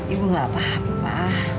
ibu gak apa apa